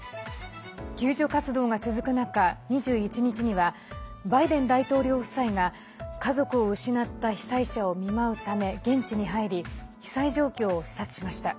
救助活動が続く中２１日にはバイデン大統領夫妻が家族を失った被災者を見舞うため現地に入り被災状況を視察しました。